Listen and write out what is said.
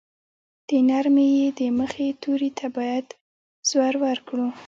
د نرمې ی د مخه توري ته باید زور ورکړو.